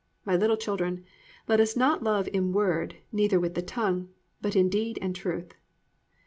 My little children, let us not love in word neither with the tongue; but in deed and truth."